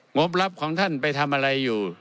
บรับของท่านไปทำอะไรอยู่